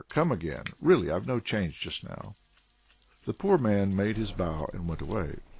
come again. Really I've no change just now." The poor man made his bow and went away.